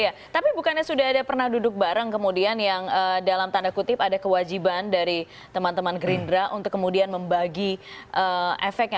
ya tapi bukannya sudah ada pernah duduk bareng kemudian yang dalam tanda kutip ada kewajiban dari teman teman gerindra untuk kemudian membagi efeknya